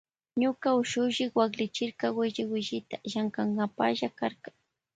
Ñuka ushushi waklichirka willi willita llankankapalla karka.